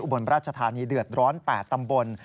บนราชธานีเดือดร้อน๘ตำบล